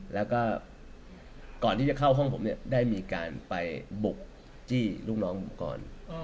แล้วก็ก่อนที่จะเข้าห้องผมเนี่ยได้มีการไปบุกจี้ลูกน้องผมก่อน